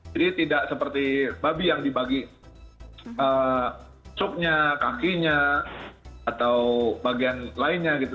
jadi tidak seperti babi yang dibagi supnya kakinya atau bagian lainnya gitu